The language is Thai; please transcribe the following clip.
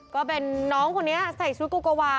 ก็เป็นน้องคนนี้ใส่ชุดโกโกวา